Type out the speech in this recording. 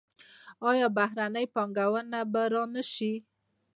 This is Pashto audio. آیا بهرنۍ پانګونه به را نشي؟